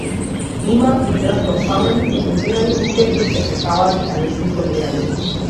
Имаат израз на осамени, изолирани луѓе, кои се преправаат дека не се изолирани.